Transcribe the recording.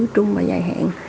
trung và dài hẹn